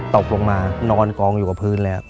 ตกลงมานอนกองอยู่กับพื้นแล้ว